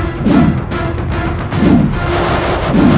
aku akan mencari dia